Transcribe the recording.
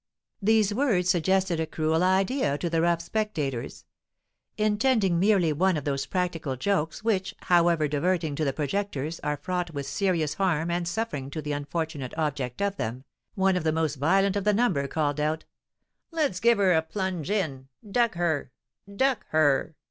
These words suggested a cruel idea to the rough spectators. Intending merely one of those practical jokes which, however diverting to the projectors, are fraught with serious harm and suffering to the unfortunate object of them, one of the most violent of the number called out, "Let's give her a plunge in! Duck her! duck her!"